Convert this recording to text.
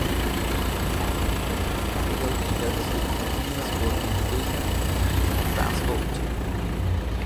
After becoming the capital, there has been continuous growth in education, communication and transport.